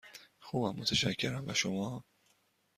خوبم، متشکرم، و شما؟